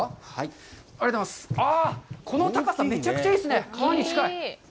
この高さ、めちゃくちゃいいですね、川に近い。